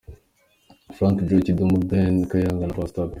Frank Joe, Kidum, Ben Kayiranga na Pastor P.